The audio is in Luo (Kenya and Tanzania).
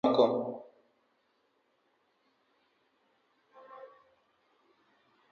B. mar Ohala mar loko kite ma nengogi tekgo e pinje mamoko,